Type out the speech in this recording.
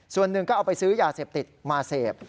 ส่วนหนึ่งก็เอาไปซื้อยาเสพติดมาเสพ